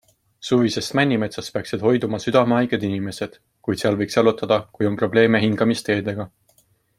Suvisest männimetsast peaksid hoiduma südamehaiged inimesed, kuid seal võiks jalutada, kui on probleeme hingamisteedega.